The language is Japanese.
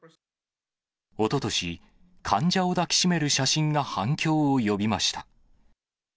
おととし、患者を抱き締める写真が反響を呼びました。